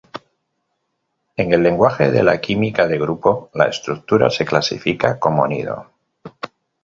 En el lenguaje de la química de grupo, la estructura se clasifica como "nido".